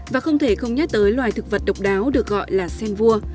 và không thể không nhắc tới loài thực vật độc đáo được gọi là sen vua